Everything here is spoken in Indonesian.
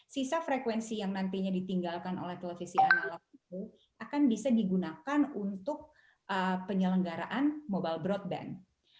sisa frekuensi yang nantinya ditinggalkan oleh televisi analog itu akan bisa digunakan untuk penyelenggaraan mobile broadband